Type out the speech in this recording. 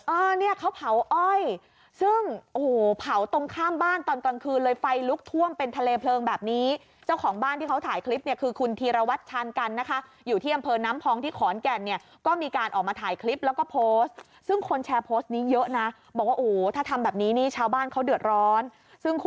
เออเนี่ยเขาเผาอ้อยซึ่งโอ้โหเผาตรงข้ามบ้านตอนกลางคืนเลยไฟลุกท่วมเป็นทะเลเพลิงแบบนี้เจ้าของบ้านที่เขาถ่ายคลิปเนี่ยคือคุณธีรวัตรชาญกันนะคะอยู่ที่อำเภอน้ำพองที่ขอนแก่นเนี่ยก็มีการออกมาถ่ายคลิปแล้วก็โพสต์ซึ่งคนแชร์โพสต์นี้เยอะนะบอกว่าโอ้โหถ้าทำแบบนี้นี่ชาวบ้านเขาเดือดร้อนซึ่งค